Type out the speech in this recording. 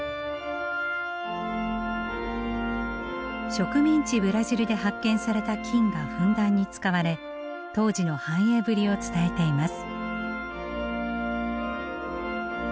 植民地ブラジルで発見された金がふんだんに使われ当時の繁栄ぶりを伝えています。